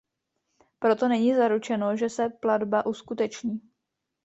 Proto není zaručeno, že se platba uskuteční.